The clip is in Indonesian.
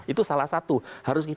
itu salah satu